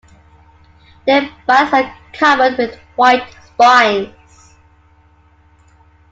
Their bodies are covered with white spines.